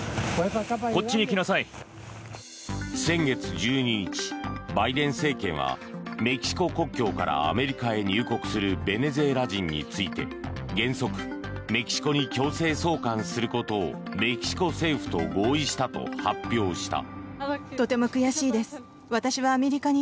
先月１２日バイデン政権はメキシコ国境からアメリカへ入国するベネズエラ人について原則、メキシコに強制送還することをメキシコ政府と合意したと発表した。